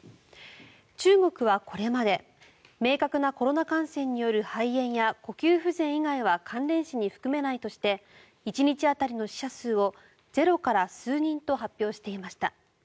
中国はこれまで明確なコロナ感染による肺炎や呼吸器不全以外は関連死に含めないとして１日当たりの死者数をゼロから数人と発表していました。